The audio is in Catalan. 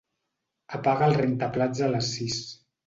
Apaga el rentaplats a les sis.